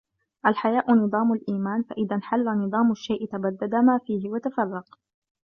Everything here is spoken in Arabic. الْحَيَاءُ نِظَامُ الْإِيمَانِ فَإِذَا انْحَلَّ نِظَامُ الشَّيْءِ تَبَدَّدَ مَا فِيهِ وَتَفَرَّقَ